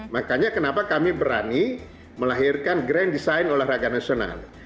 makanya kenapa kami berani melahirkan grand design olahraga nasional